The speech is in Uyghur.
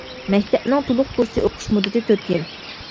مەكتەپنىڭ تولۇق كۇرس ئوقۇش مۇددىتى تۆت يىل.